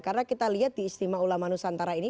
karena kita lihat di istimewa ulama nusantara ini